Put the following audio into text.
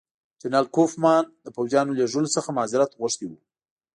جنرال کوفمان د پوځیانو لېږلو څخه معذرت غوښتی وو.